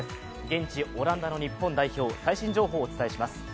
現地オランダの日本代表、最新情報をお伝えします。